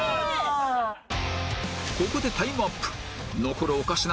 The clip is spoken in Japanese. ここでタイムアップ